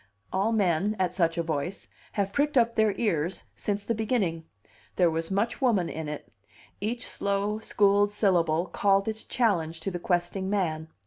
All men, at such a voice, have pricked up their ears since the beginning; there was much woman in it; each slow, schooled syllable called its challenge to questing man.